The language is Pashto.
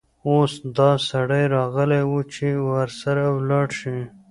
اوس دا سړى راغلى وو، چې ورسره ولاړه شې.